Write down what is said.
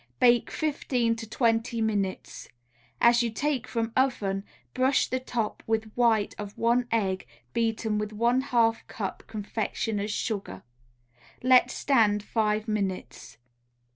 Bake fifteen to twenty minutes. As you take from oven, brush the top with white of one egg beaten with one half cup confectioners' sugar. Let stand five minutes.